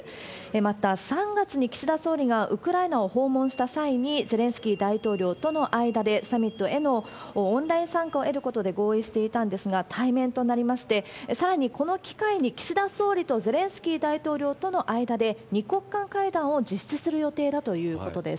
また、３月に岸田総理がウクライナを訪問した際に、ゼレンスキー大統領との間で、サミットへのオンライン参加を得ることで合意していたんですが、対面となりまして、さらにこの機会に、岸田総理とゼレンスキー大統領との間で、２国間会談を実施する予定だということです。